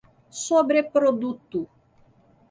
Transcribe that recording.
sobreproduto